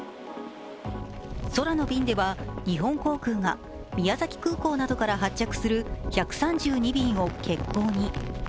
空の便では日本航空が宮崎空港などから発着する１３２便を欠航に。